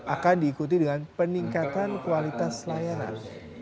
akan diikuti dengan peningkatan kualitas layanan